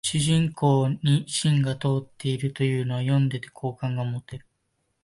主人公に芯が通ってるというのは読んでて好感が持てる